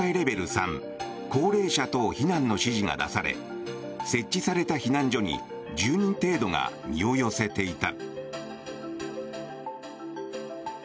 ３高齢者等避難の指示が出され設置された避難所に１０人程度が身を寄せていた。